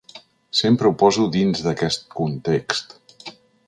Sempre ho poso dins d’aquest context.